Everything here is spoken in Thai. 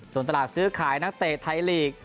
ส่วนตลาดซื้อขายนักเตะไทยลีก